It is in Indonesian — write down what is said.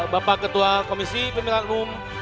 bapak ketua komisi pemilihan umum